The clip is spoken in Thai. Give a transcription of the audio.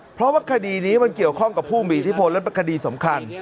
เพราะว่าคดีนี้มันเกี่ยวข้องกับผู้มีอิทธิพลและเป็นคดีสำคัญ